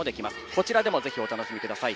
こちらも、ぜひお楽しみください。